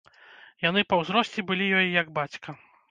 Яны па ўзросце былі ёй як бацька.